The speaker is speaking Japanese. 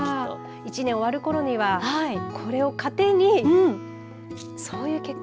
１年終わるころにはこれをかてにそういう結果。